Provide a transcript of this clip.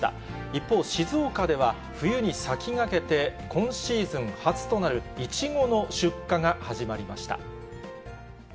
一方、静岡では冬に先駆けて、今シーズン初となるイチゴの出荷が始まりました。